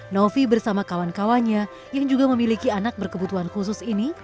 novi bersama kawan kawannya yang juga memiliki anak berkebutuhan khusus ini